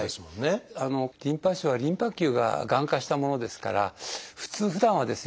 リンパ腫はリンパ球ががん化したものですから普通ふだんはですね